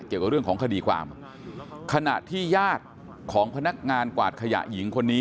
เกี่ยวกับเรื่องของคดีความขณะที่ญาติของพนักงานกวาดขยะหญิงคนนี้